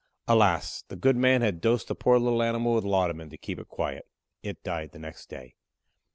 Alas! the good man had dosed the poor little animal with laudunum to keep it quiet. It died the next day.